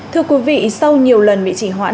thưa quý vị sau nhiều lần bị chỉ hoãn